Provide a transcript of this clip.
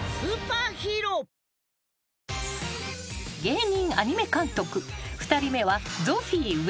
［芸人アニメ監督２人目は］